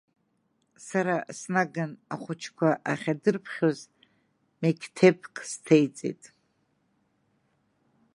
Сара снаган ахуҷқуа ахьадырԥхьоз мектебк сҭеиҵеит.